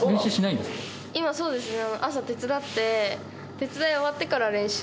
そうですね。